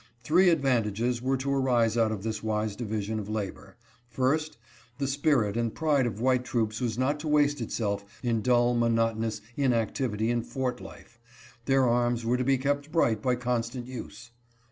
Three advantages were to arise out of this wise division of labor: 1st, The spirit and pride of white troops was not to waste itself in dull, monotonous inactivity in fort life; their arms were to be kept bright by constant use.